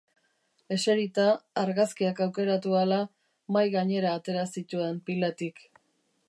Eserita, argazkiak aukeratu ahala, mahai gainera atera zituen pilatik.